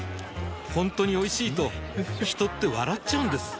ほんとにおいしいと人って笑っちゃうんです